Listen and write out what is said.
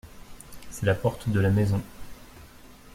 C’est la porte de la maison.